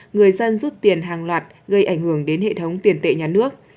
người dân rút tiền hàng loạt gây ảnh hưởng đến hệ thống tiền tệ nhà nước